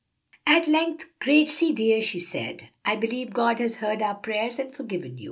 At length, "Gracie dear," she said, "I believe God has heard our prayer and forgiven you.